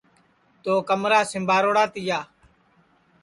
تو کمرا سجاوڑا تیا